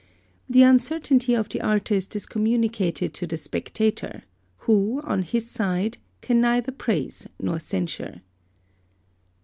The uncertainty of the artist is communicated to the spectator, who, on his side, can neither praise nor censure.